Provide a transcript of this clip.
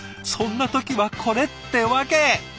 そんな時はこれってわけ。